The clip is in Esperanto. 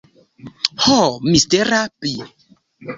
Ho, mistera pi!